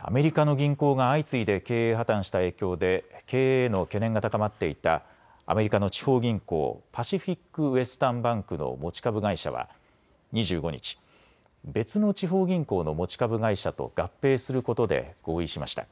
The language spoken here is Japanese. アメリカの銀行が相次いで経営破綻した影響で経営への懸念が高まっていたアメリカの地方銀行、パシフィック・ウエスタン・バンクの持ち株会社は２５日、別の地方銀行の持ち株会社と合併することで合意しました。